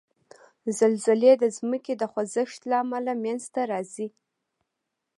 زلزلې د ځمکې د خوځښت له امله منځته راځي.